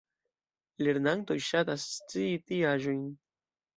Lernantoj ŝatas scii tiaĵojn!